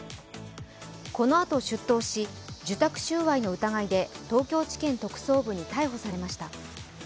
このあと出頭し、受託収賄の疑いで東京地裁特捜部に逮捕されました。